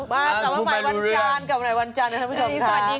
มาสวัสดีค่ะคุณผู้ชมค่ะ